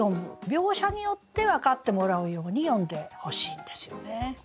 描写によって分かってもらうように詠んでほしいんですよね。